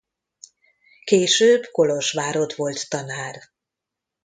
Később Kolozsvárott volt tanár.